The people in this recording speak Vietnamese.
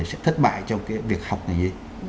các em rất có thể sẽ thất bại trong việc học ngành y